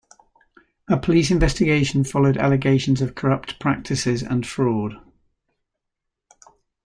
A police investigation followed allegations of corrupt practices and fraud.